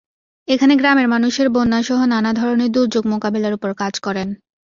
এখানে গ্রামের মানুষের বন্যাসহ নানা ধরনের দুর্যোগ মোকাবিলার ওপর কাজ করেন।